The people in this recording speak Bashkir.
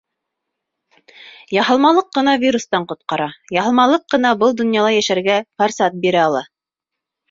Яһалмалыҡ ҡына вирустан ҡотҡара, яһалмалыҡ ҡына был донъяла йәшәргә форсат бирә ала.